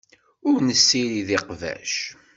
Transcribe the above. Ur nessirid iqbac.